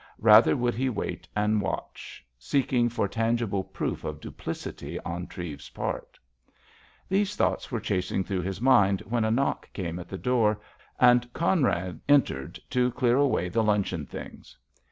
Rather would he wait and watch, seeking for tangible proof of duplicity on Treves's part. These thoughts were passing through his mind when a knock came at the door, and Conrad entered to clear away the luncheon things.